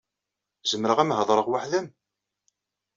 Zemreɣ ad am-heḍṛeɣ weḥd-m?